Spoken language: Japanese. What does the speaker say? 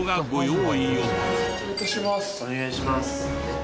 お願いします。